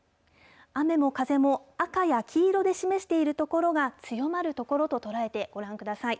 雨も風も、赤や黄色で示している所が、強まる所と捉えてご覧ください。